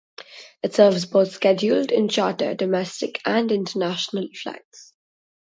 It serves both scheduled and charter, domestic and international flights.